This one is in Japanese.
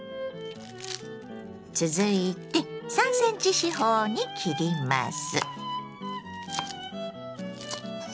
続いて３ｃｍ四方に切ります。